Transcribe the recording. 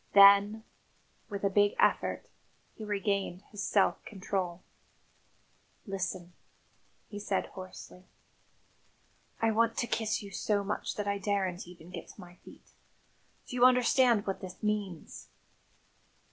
Then, with a big effort, he regained his self control. "Listen," he said hoarsely. "I want to kiss you so much that I daren't even get to my feet. Do you understand what that means?